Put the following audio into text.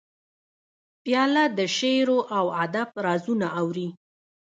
پیاله د شعرو او ادب رازونه اوري.